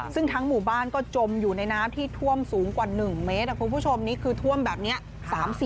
ซึ่งทั้งหมู่บ้านก็จมอยู่ในน้ำที่ท่วมสูงกว่า๑เมตรคุณผู้ชมนี่คือท่วมแบบนี้